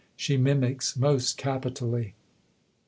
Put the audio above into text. She mimics most capitally."